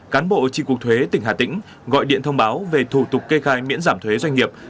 cán bộ tri cục thuế tỉnh hà tĩnh gọi điện thông báo về thủ tục kê khai miễn giảm thuế doanh nghiệp